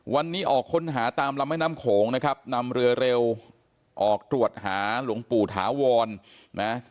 วันนี้ออกค้นหาตามลำแม่น้ำโขงนะครับนำเรือเร็วออกตรวจหาหลวงปู่ถาวรนะ